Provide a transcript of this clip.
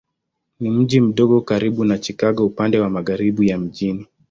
Ni mji mdogo karibu na Chicago upande wa magharibi ya mji.